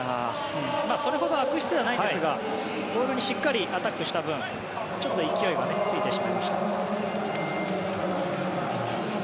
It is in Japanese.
それほど悪質ではないんですがボールにしっかりアタックした分ちょっと勢いがついてしまいましたね。